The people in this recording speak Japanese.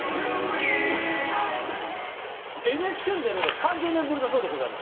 ＮＨＫに出るのは３０年ぶりだそうでございます。